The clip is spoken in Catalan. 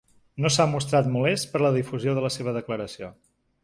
No s’ha mostrat molest per la difusió de la seva declaració.